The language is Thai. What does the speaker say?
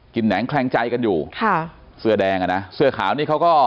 แหนงแคลงใจกันอยู่ค่ะเสื้อแดงอ่ะนะเสื้อขาวนี่เขาก็